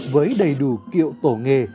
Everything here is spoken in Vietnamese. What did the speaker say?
với đầy đủ kiệu tổ nghệ